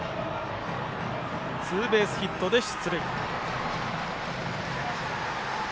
ツーベースヒットで出塁。